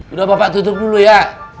udah bapak tutup dulu ya